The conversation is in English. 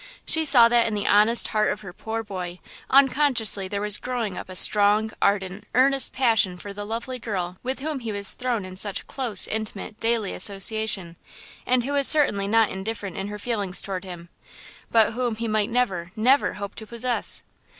She saw that in the honest heart of her poor boy, unconsciously there was growing up a strong, ardent, earnest passion for the lovely girl with whom he was thrown in such close, intimate, daily association, and who was certainly not indifferent in her feelings toward him; but whom he might never, never hope to possess.